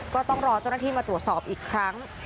ก็ต้องรอเจ้าหน้าที่มาตรวจสอบอีกครั้ง